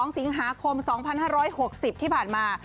๒สิงหาคม๒๕๖๐ที่ผ่านมา